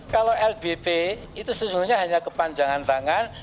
kalau lbp itu sejujurnya hanya kepanjangan tangan